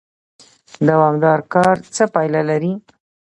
دوامدار کار څه پایله لري؟